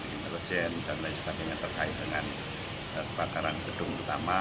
intelijen dan lain sebagainya terkait dengan kebakaran gedung utama